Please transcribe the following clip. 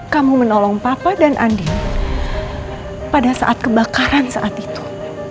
kamu menolong papa dan andi pada saat kebakaran saat itu